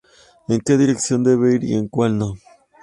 En que dirección debe ir y en cual no".